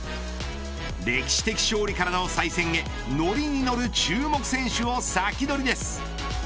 歴史的勝利からの再戦へ乗りに乗る注目選手をサキドリです。